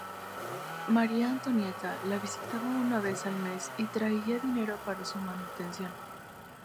Maria Antonieta la visitaba una vez la mes y traía dinero para su manutención.